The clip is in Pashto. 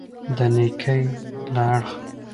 د نېکۍ له اړخه.